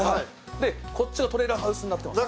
こっちがトレーラーハウスになってます。